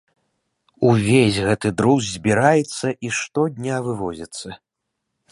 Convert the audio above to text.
Увесь гэты друз збіраецца і штодня вывозіцца.